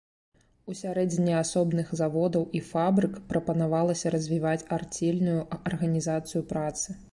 Усярэдзіне асобных заводаў і фабрык прапанавалася развіваць арцельную арганізацыю працы.